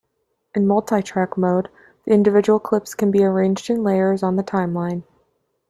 In multitrack mode, the individual clips can be arranged in layers on the timeline.